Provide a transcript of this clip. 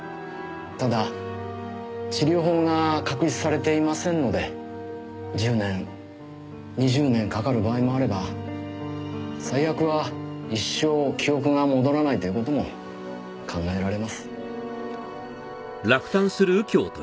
ただ治療法が確立されていませんので１０年２０年かかる場合もあれば最悪は一生記憶が戻らないという事も考えられます。